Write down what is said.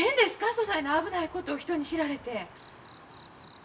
そがいな危ないことを人に知られて。